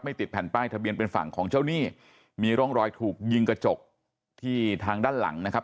ติดแผ่นป้ายทะเบียนเป็นฝั่งของเจ้าหนี้มีร่องรอยถูกยิงกระจกที่ทางด้านหลังนะครับ